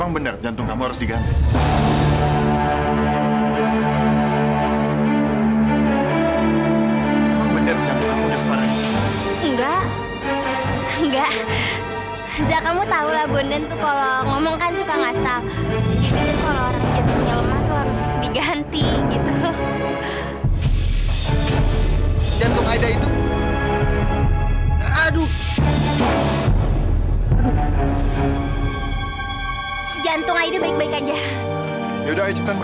berangkat dulu ya